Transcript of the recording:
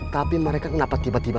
tapi mereka kenapa tiba tiba